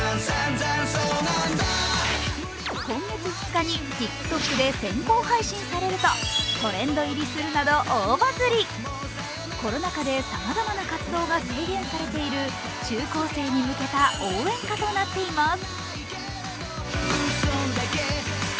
今月２日にＴｉｋＴｏｋで先行配信されるとトレンド入りするなど、大バズり。コロナ禍でさまざまな活動が制限されている、中高生に向けた応援歌となっています。